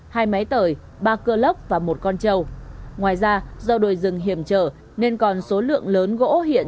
hai máy tời ba cơ lốc và một con trâu ngoài ra do đồi rừng hiểm trở nên còn số lượng lớn gỗ hiện